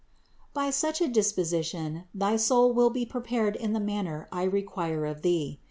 By such a disposition thy soul will be prepared in the manner I require of thee.